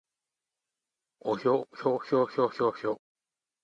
おひょひょひょひょひょひょ